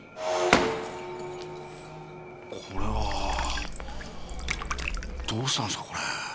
これはどうしたんですかこれ？